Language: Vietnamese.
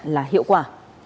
là hiệu quả